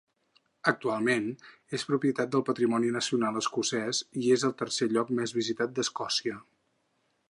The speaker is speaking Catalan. Actualment, és propietat del Patrimoni Nacional Escocès i és el tercer lloc més visitat d'Escòcia.